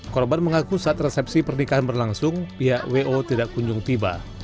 korban mengaku saat resepsi pernikahan berlangsung pihak wo tidak kunjung tiba